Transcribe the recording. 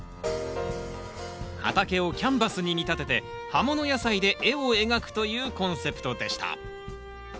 畑をキャンバスに見立てて葉もの野菜で絵を描くというコンセプトでした。